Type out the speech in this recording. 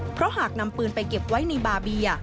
เพราะหากนำปืนไปเก็บไว้ในบาเบีย